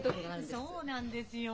そうなんですよ。